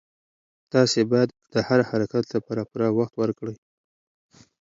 تاسي باید د هر حرکت لپاره پوره وخت ورکړئ.